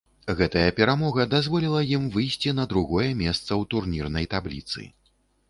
Гэтая перамога дазволіла ім выйсці на другое месца ў турнірнай табліцы.